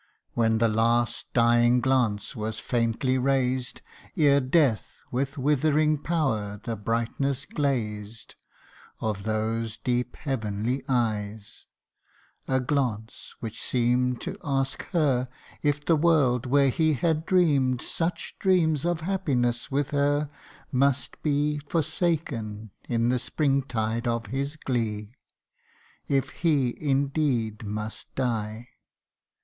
When the last dying glance was faintly raised, Ere death with withering power the brightness glazed Of those deep heavenly eyes : a glance which seem'd To ask her, if the world where he had dream 'd Such dreams of happiness with her, must be Forsaken in the spring tide of his glee : If he indeed must die.